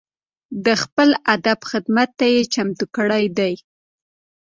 د خپل ادب خدمت ته یې چمتو کړي دي.